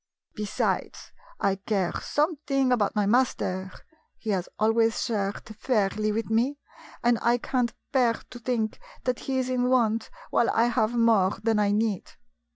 Besides, I care something about my master. He has always shared fairly w r ith me, and I can't bear to think that he is in want while I have more than I need.